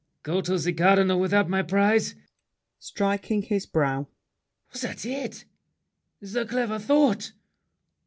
Go to the Cardinal without my prize? [Striking his brow. That's it! The clever thought!